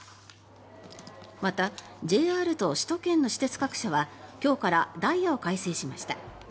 また、ＪＲと首都圏の私鉄各社は今日からダイヤを改正しました。